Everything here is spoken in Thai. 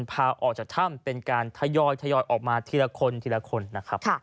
พาออกจากถ้ำเป็นการทยอยออกมาทีละคนทีละคนนะครับ